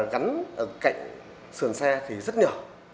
gắn ở cạnh sườn xe thì rất nhỏ